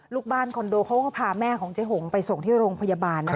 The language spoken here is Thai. ลูกบ้านคอนโดเขาก็พาแม่ของเจ๊หงไปส่งที่โรงพยาบาลนะคะ